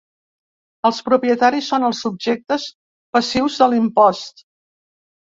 Els propietaris són els subjectes passius de l'impost.